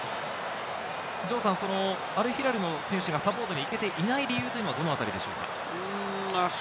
アルヒラルの選手がサポートに行けていない理由というのはどのあたりでしょうか？